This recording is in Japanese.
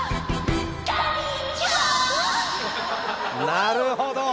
なるほど。